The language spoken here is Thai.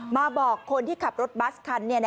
มาบอกคนที่ขับรถบัสคัน